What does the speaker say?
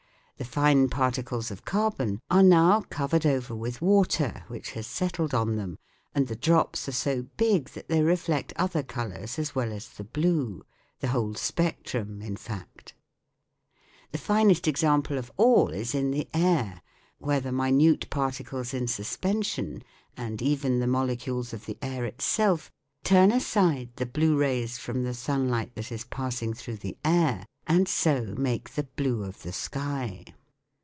The fine particles of carbon are now covered over with water, which has settled on them, and the drops are so big that they reflect other colours as well as the blue the whole spectrum, in fact. The finest example of all is in the air, where the minute particles in suspension, and even the molecules of the air itself, turn aside the blue rays from the sunlight that is passing through the air, and so make the blue of the sky.